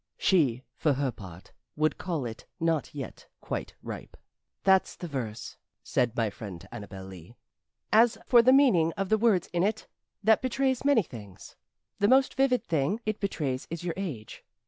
She, for her part, would call it not yet quite ripe. "That's the verse," said my friend Annabel Lee. "As for the meaning of the words in it, that betrays many things. The most vivid thing it betrays is your age.